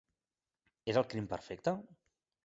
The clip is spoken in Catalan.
És el crim perfecte?